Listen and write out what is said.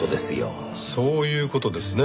そういう事ですね。